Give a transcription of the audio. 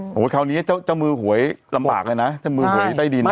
โอ้โหคราวนี้เจ้ามือหวยลำบากเลยนะเจ้ามือหวยใต้ดิน